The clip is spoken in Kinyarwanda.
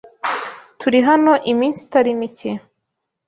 Turi hano iminsi itari mike